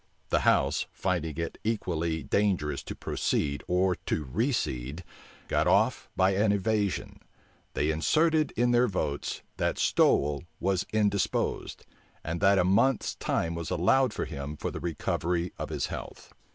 The house, finding it equally dangerous to proceed or to recede, got off by an evasion: they inserted in their votes, that Stowel was indisposed, and that a month's time was allowed him for the recovery of his health.